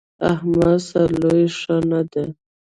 احمده! سر لويي ښه نه ده.